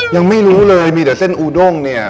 ยังไม่รู้เลยมีแต่เส้นอูด้งเนี่ย